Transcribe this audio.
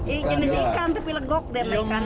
iya jenisnya ikan tapi legok deh sama ikan